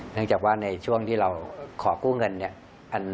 เนื่องจากว่าในช่วงที่เราขอกู้เงินเนี่ย